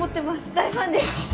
大ファンです。